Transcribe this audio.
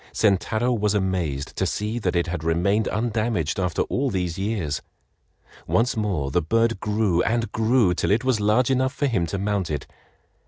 Sentaro was amazed to see that it had remained undamaged after all these years. Once more the bird grew and grew till it was large enough for him to mount it.